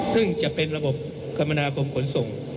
ซึ่งจะเป็นระบบคมนาคมขนส่ง